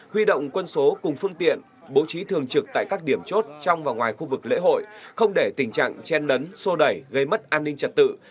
huy động quân số cùng phương tiện bố trí thường trực tại các điểm chốt trong và ngoài khu vực lễ hội không để tình trạng chen lấn sô đẩy gây mất an ninh trật tự